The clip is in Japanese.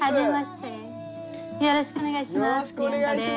よろしくお願いします。